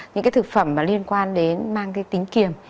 những cái thực phẩm mà liên quan đến mang cái tính kiềm